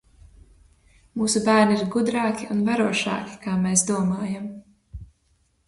Mūsu bērni ir gudrāki un varošāki, kā mēs domājam!